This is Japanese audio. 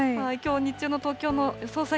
きょう日中の東京の予想